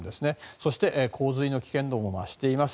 そして洪水の危険度も増しています。